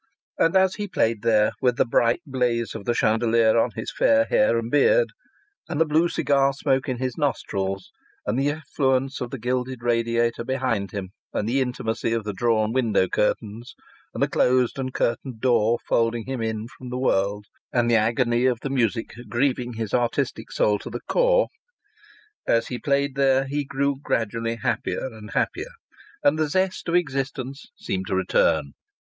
And as he played there, with the bright blaze of the chandelier on his fair hair and beard, and the blue cigar smoke in his nostrils, and the effluence of the gilded radiator behind him, and the intimacy of the drawn window curtains and the closed and curtained door folding him in from the world, and the agony of the music grieving his artistic soul to the core as he played there he grew gradually happier and happier, and the zest of existence seemed to return.